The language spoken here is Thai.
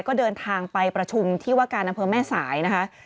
ก็เดินทางไปประชุมที่ว่าการอำเภอแม่สายนะคะ